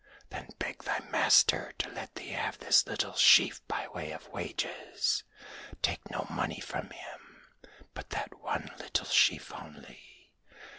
Then beg thy master to let thee have this little sheaf by way of wages. Take no money from him, but that one little sheaf only.